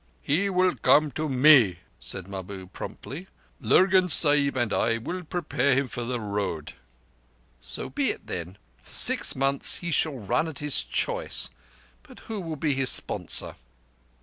"He will come to me," said Mahbub promptly. "Lurgan Sahib and I will prepare him for the Road." "So be it, then. For six months he shall run at his choice. But who will be his sponsor?"